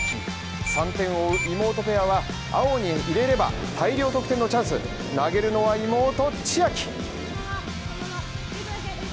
３点を追う妹ペアは青に入れれば大量得点のチャンス、投げるのは妹・千秋。